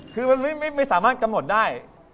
คือมันไม่สามารถกำหนดได้